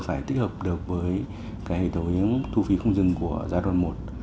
phải tích hợp được với cái hệ thống thu phí không dừng của giai đoạn một